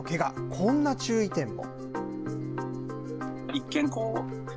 こんな注意点も。